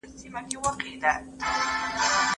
ښه ذهنیت له نویو ځایونو سره په بلدیدو کي مرسته کوي.